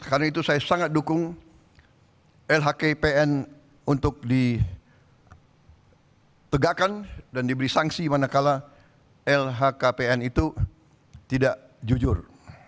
karena itu saya sangat dukung lhkpn untuk ditegakkan dan diberi sanksi manakala lhkpn itu tidak jujur